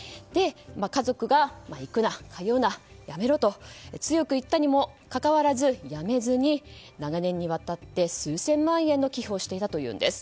家族が行くな、通うな、やめろと強く言ったにもかかわらずやめずに長年にわたって数千万円の寄付をしていたというんです。